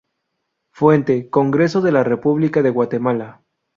Fuente: Congreso de la República de Guatemala